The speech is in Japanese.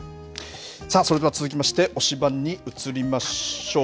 さあ、それでは続きまして推しバン！に移りましょう。